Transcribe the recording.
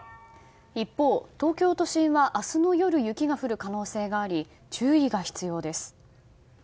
一方、東京都心は明日の夜雪が降る可能性があり注意が必要です。